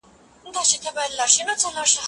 هر پوهنتون خپل ځانګړي علمي اصول لري.